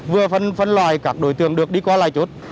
vừa phân loại các đối tượng được đi qua lại chốt